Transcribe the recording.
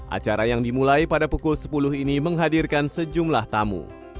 acara yang dimulai pada pukul sepuluh ini menghadirkan sejumlah tamu